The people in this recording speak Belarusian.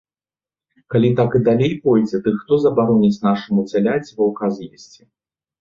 Калі так і далей пойдзе, дык хто забароніць нашаму цяляці ваўка з'есці?